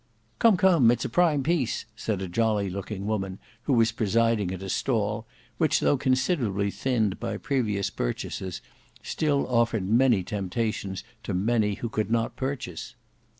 "Come, come, it's a prime piece," said a jolly looking woman, who was presiding at a stall which, though considerably thinned by previous purchasers, still offered many temptations to many who could not purchase.